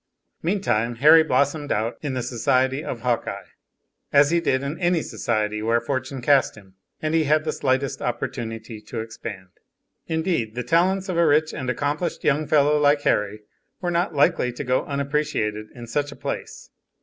Meantime Harry blossomed out in the society of Hawkeye, as he did in any society where fortune cast him and he had the slightest opportunity to expand. Indeed the talents of a rich and accomplished young fellow like Harry were not likely to go unappreciated in such a place.